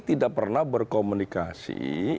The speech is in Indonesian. tidak pernah berkomunikasi